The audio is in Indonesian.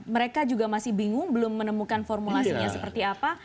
mereka juga masih bingung belum menemukan formulasinya seperti apa